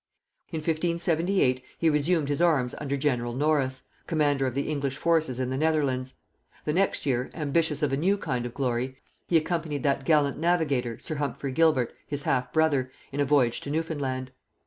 In 1578 he resumed his arms under general Norris, commander of the English forces in the Netherlands; the next year, ambitious of a new kind of glory, he accompanied that gallant navigator sir Humphrey Gilbert, his half brother, in a voyage to Newfoundland.